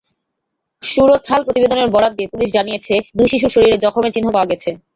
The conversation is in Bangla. সুরতহাল প্রতিবেদনের বরাত দিয়ে পুলিশ জানিয়েছে, দুই শিশুর শরীরে জখমের চিহ্ন পাওয়া গেছে।